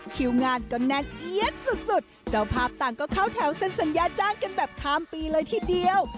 คิ้วงานก็แนนเหี้ยะสุดสุดเจ้าพาร์ปต่างก็เข้าแถวเส้นสัญญาด้านกันแบบคามปีเลยทีเดียว